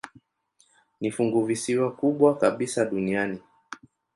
Ni funguvisiwa kubwa kabisa duniani.